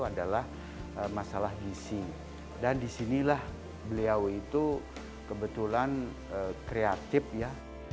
adalah masalah gisi dan disinilah beliau itu kebetulan kreatif ya